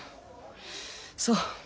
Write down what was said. そう。